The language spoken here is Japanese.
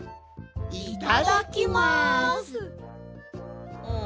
いただきます！